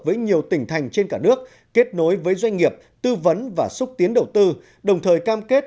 với nhiều tỉnh thành trên cả nước kết nối với doanh nghiệp tư vấn và xúc tiến đầu tư đồng thời cam kết